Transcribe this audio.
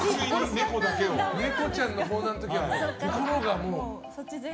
ネコちゃんのコーナーの時は心がもう。